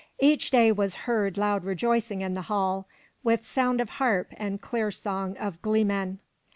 Each day was heard loud rejoicing in the hall, with sound of harp and clear song of gleemen.